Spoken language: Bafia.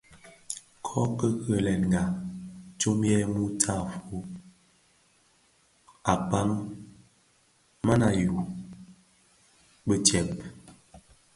Kōki kilènga tsom yè mutafog kpag manyu a bhëg.